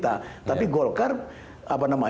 karena golkar bukan lagi sebagai kelompok penyeimbang